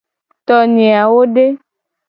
Tonye awo de?